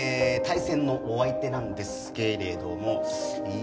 対戦のお相手なんですけれども。